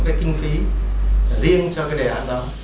cái kinh phí riêng cho cái đề án đó